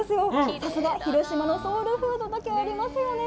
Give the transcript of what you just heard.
さすが広島のソウルフードだけありますよね。